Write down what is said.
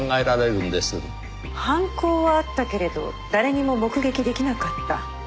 犯行はあったけれど誰にも目撃出来なかった。